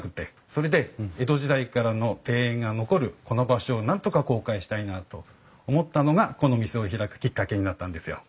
それで江戸時代からの庭園が残るこの場所をなんとか公開したいなと思ったのがこの店を開くきっかけになったんですよ。